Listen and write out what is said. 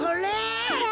これ。